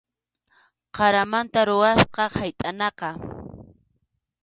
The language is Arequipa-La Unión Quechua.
Qaramanta rurasqam haytʼanaqa.